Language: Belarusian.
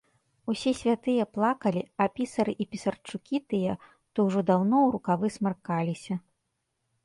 Усе святыя плакалі, а пісары і пісарчукі тыя то ўжо даўно ў рукавы смаркаліся.